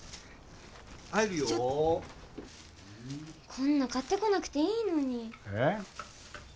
こんな買ってこなくていいのに。